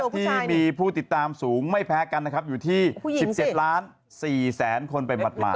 ที่มีผู้ติดตามสูงไม่แพ้กันนะครับอยู่ที่๑๗ล้าน๔แสนคนไปหมาด